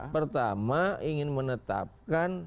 pertama ingin menetapkan